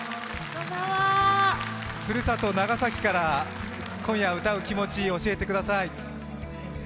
故郷・長崎から今夜歌う気持ち、教えてください。